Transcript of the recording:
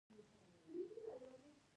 ولور په ځینو سیمو کې د پښتنو دود دی.